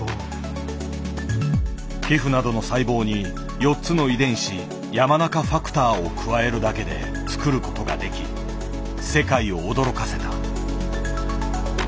皮膚などの細胞に４つの遺伝子「山中ファクター」を加えるだけで作る事ができ世界を驚かせた。